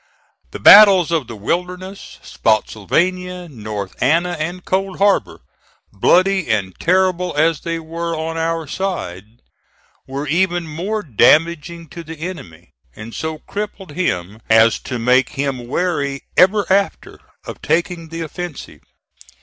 The battles of the Wilderness, Spottsylvania, North Anna and Cold Harbor, bloody and terrible as they were on our side, were even more damaging to the enemy, and so crippled him as to make him wary ever after of taking the offensive.